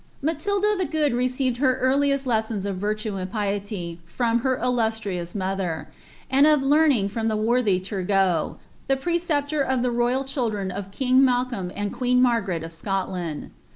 Matilda the Good received her earliest lessons of virtue and piely from her illustrious mother, and of learning from the worthy Tu^roi, tlie pre ceptor of ihc royal children of king Malcolm and (jucen Mar; garet of Scotland.